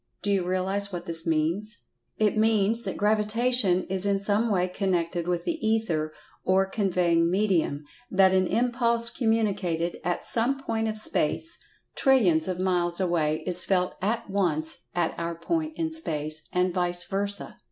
Do you realize what this means? It means that Gravitation is in some way connected with the Ether, or "conveying medium," that an impulse communicated at some point of space trillions of miles away is felt at once at our point in space, and vice versa.